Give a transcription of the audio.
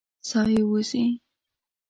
ساه یې وځي.